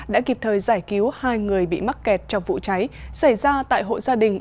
đã kịp thời giải cứu hai người bị mắc kẹt trong vụ cháy xảy ra tại hộ gia đình